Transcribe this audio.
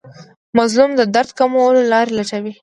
مظلوم د درد کمولو لارې لټوي.